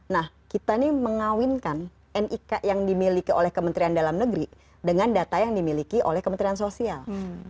nah kita ini mengawinkan nik yang dimiliki oleh kementerian dalam negeri dengan data yang dimiliki oleh kementerian sosial